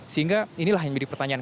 sehingga inilah yang menjadi pertanyaan